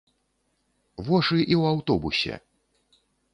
Вошы і ў аўтобусе!